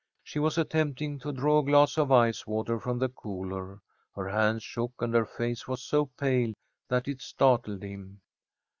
She was attempting to draw a glass of ice water from the cooler. Her hands shook, and her face was so pale that it startled him.